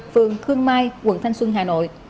phường khương mai quận thanh xuân hà nội